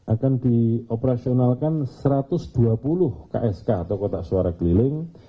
akan dioperasionalkan satu ratus dua puluh ksk atau kotak suara keliling